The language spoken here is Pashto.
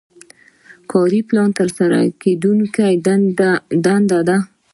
کاري پلان ترسره کیدونکې دندې لري.